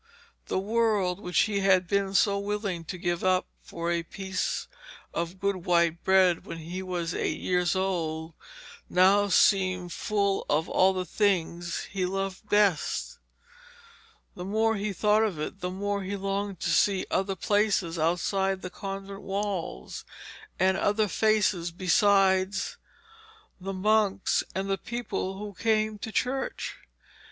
The world, which he had been so willing to give up for a piece of good white bread when he was eight years old, now seemed full of all the things he loved best. The more he thought of it, the more he longed to see other places outside the convent walls, and other faces besides the monks and the people who came to church.